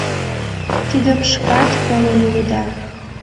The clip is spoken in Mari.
Тидым шкат колын улыда.